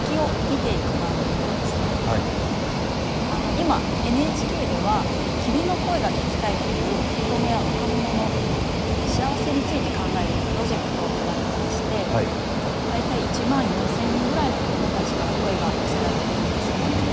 今ＮＨＫでは「君の声が聴きたい」という子どもや若者の幸せについて考えるプロジェクトを行ってまして大体１万４，０００人ぐらいの子どもたちから声が寄せられてるんですね。